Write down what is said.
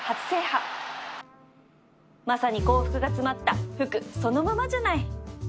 まさに幸福が詰まったふくそのままじゃない